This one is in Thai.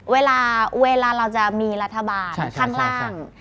เวลาเวลาเราจะมีรัฐบาลข้างล่าง